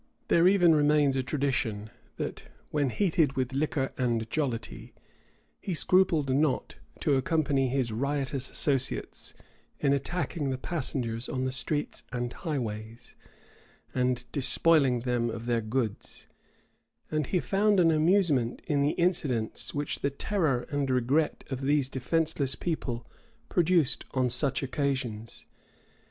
There even remains a tradition that, when heated with liquor and jollity, he scrupled not to accompany his riotous associates in attacking the passengers on the streets and highways, and despoiling them of their goods; and he found an amusement in the incidents which the terror and regret of these defenceless people produced on such occasions.